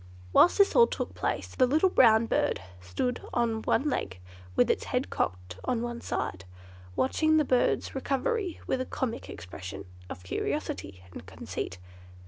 Whilst all this took place, the little brown bird stood on one leg, with its head cocked on one side, watching the Kangaroo's recovery with a comic expression of curiosity and conceit.